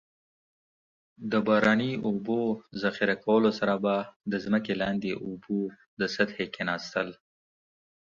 د باراني اوبو ذخیره کولو سره به د ځمکې لاندې اوبو د سطحې کیناستل.